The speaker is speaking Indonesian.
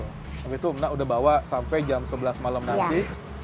habis itu menak udah bawa sampai jam sebelas malam nanti